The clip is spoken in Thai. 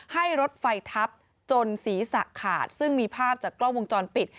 ให้รถไฟทับจนศีรษะขาดซึ่งมีภาพจากกล้องวงจรปิด